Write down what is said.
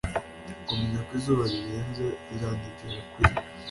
kumenya ko izuba rirenze riranyegera kuri